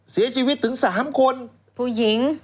เสียชีวิตถึง๓คน